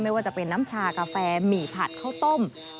ไม่ว่าจะเป็นน้ำชากาแฟหมี่ผัดข้าวต้ม